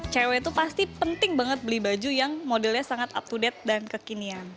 cewek itu pasti penting banget beli baju yang modelnya sangat up to date dan kekinian